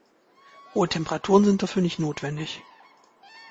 Hohe Temperaturen sind dafür nicht notwendig.